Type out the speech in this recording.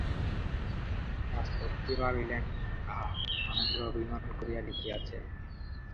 রাজলক্ষ্মী ভাবিলেন, আহা, মহেন্দ্র অভিমান করিয়া লিখিয়াছে।